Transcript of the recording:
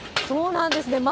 そうなんです。